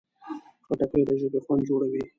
خټکی د ژبې خوند جوړوي.